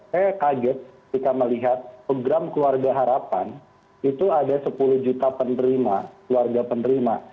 saya kaget ketika melihat program keluarga harapan itu ada sepuluh juta penerima keluarga penerima